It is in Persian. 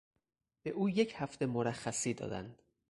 به او یک هفته مرخصی دادند.